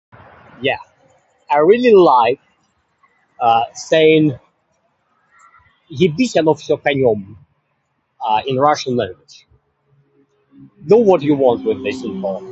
"Yeah, I really like saying ""Ебись оно всё конём!"" in Russian language. Do what you want with this info."